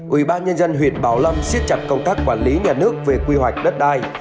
ủy ban nhân dân huyện bảo lâm siết chặt công tác quản lý nhà nước về quy hoạch đất đai